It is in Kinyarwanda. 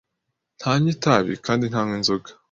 Ntanywa itabi kandi ntanywa inzoga.